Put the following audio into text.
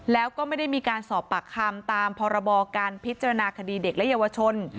แล้วก็ไม่ได้มีการสอบปากคำตามพรบการพิจารณาคดีเด็กและเยาวชน